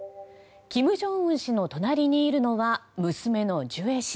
金正恩氏の隣にいるのは娘のジュエ氏。